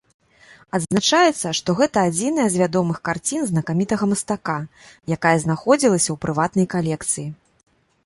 Адзначаецца, што гэта адзіная з вядомых карцін знакамітага мастака, якая знаходзілася ў прыватнай калекцыі.